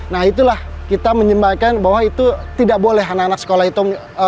nah itulah kita menyembahkan bahwa itu tidak boleh anak anak sekolah itu